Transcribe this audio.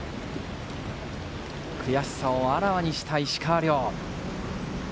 悔しさをあらわにした石川遼。